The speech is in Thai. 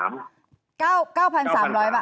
ทางประกันสังคมก็จะสามารถเข้าไปช่วยจ่ายเงินสมทบให้๖๒